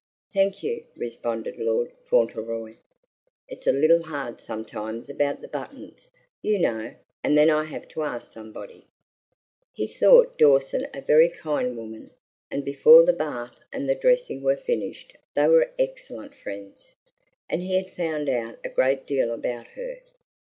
"Thank you," responded Lord Fauntleroy; "it's a little hard sometimes about the buttons, you know, and then I have to ask somebody." He thought Dawson a very kind woman, and before the bath and the dressing were finished they were excellent friends, and he had found out a great deal about her.